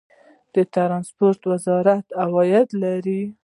د ټرانسپورټ وزارت عواید لري؟